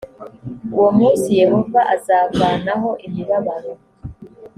uwo munsi yehova azavanaho imibabaro